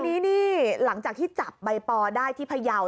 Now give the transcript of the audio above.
ทีนี้หลังจากที่จับป่าวได้ที่พยาว